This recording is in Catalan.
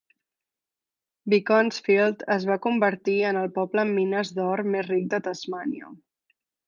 Beaconsfield es va convertir en el poble amb mines d'or més ric de Tasmània.